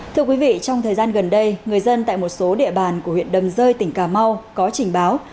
thưa quý vị trong thời gian gần đây người dân tại một số địa bàn của huyện đầm rơi tỉnh cà mau có trình báo